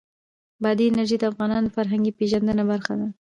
بادي انرژي د افغانانو د فرهنګي پیژندنې برخه ده.